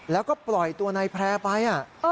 แล้วก็ปล่อยตัวนายแพร่ไป